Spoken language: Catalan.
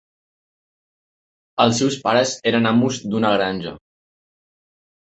Els seus pares eren amos d'una granja.